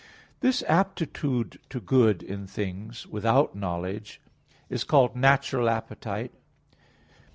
This aptitude to good in things without knowledge is called natural appetite.